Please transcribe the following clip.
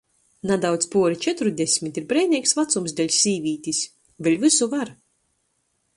Nadaudz puori četrudesmit ir breineigs vacums deļ sīvītis: vēļ vysu var.